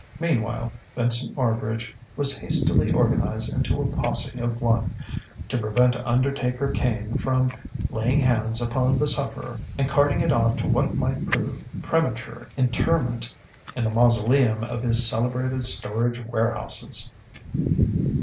Meanwhile, Vincent Marbridge was hastily organized into a posse of one to prevent Undertaker Cain from laying hands upon the sufferer and carting it off to what might prove premature interment in the mausoleum of his celebrated storage warehouses...."